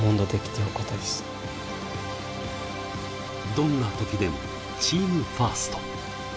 どんな時でもチームファースト。